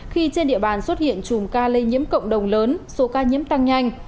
khi trên địa bàn xuất hiện chùm ca lây nhiễm cộng đồng lớn số ca nhiễm tăng nhanh